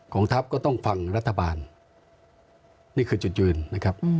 ทัพก็ต้องฟังรัฐบาลนี่คือจุดยืนนะครับ